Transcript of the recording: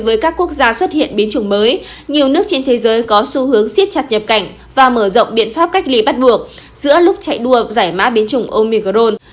với các quốc gia xuất hiện biến chủng mới nhiều nước trên thế giới có xu hướng siết chặt nhập cảnh và mở rộng biện pháp cách ly bắt buộc giữa lúc chạy đua giải mã biến chủng omicron